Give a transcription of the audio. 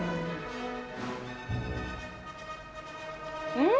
うん？